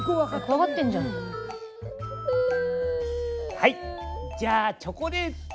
はいじゃあチョコレート！